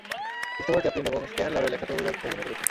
Christopher Chaplin এবং Stan Laurel একসাথে অভিনয় করেছেন।